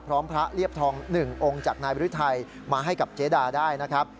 พร้อมพระเรียบทองหนึ่งองค์จากนายบริธัยมาให้กับเจดาได้นะครับ